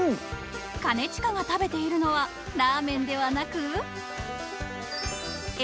［兼近が食べているのはラーメンではなく］